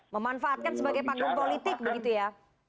memanfaatkan sebagai panggung politik begitu ya